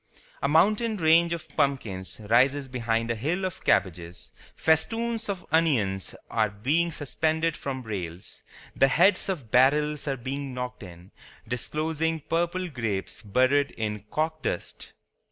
A mountain range of pumpkins rises behind a hill of cabbages. Festoons of onions are being suspended from rails. The heads of barrels are being knocked in, disclosing purple grapes buried in corkdust.